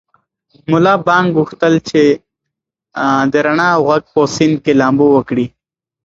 ملا بانګ غوښتل چې د رڼا او غږ په سیند کې لامبو وکړي.